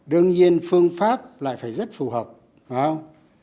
đương nhiên phương pháp lại phải rất phù hợp phải không